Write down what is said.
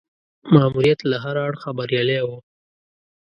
ماموریت له هره اړخه بریالی وو.